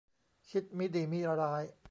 คิดมิดีมิร้าย